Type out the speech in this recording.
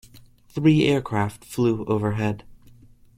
Three aircraft flew overhead.